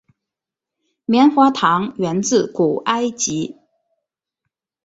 棉花糖源自古埃及。